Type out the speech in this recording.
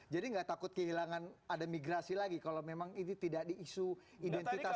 jadi nggak takut kehilangan ada migrasi lagi kalau memang itu tidak diisu identitasnya tidak dikawal